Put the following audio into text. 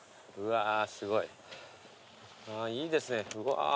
いいですねうわ。